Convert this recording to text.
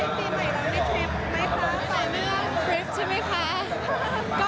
ทริปใช่ไหมคะ